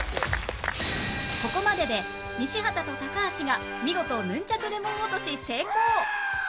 ここまでで西畑と高橋が見事ヌンチャクレモン落とし成功